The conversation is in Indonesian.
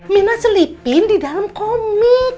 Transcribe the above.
minat selipin di dalam komik